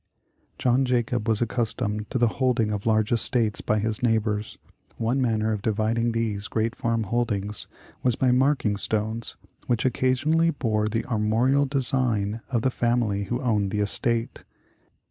John Jacob was accustomed to the holding of large estates by his neighbors. One manner of dividing these great farm holdings was by ''marking stones," which occasionally bore the armorial design of the fam ily who owned the estate.